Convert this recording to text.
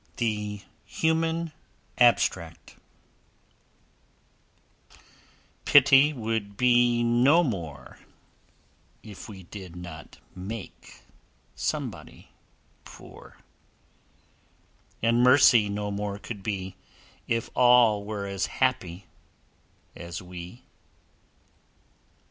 THE HUMAN ABSTRACT Pity would be no more If we did not make somebody poor, And Mercy no more could be If all were as happy as we.